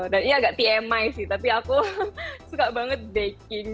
dan ini agak tmi sih tapi aku suka banget baking